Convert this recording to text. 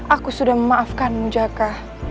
aku sudah memaafkanmu jaka